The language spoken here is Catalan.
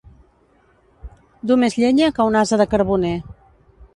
Dur més llenya que un ase de carboner.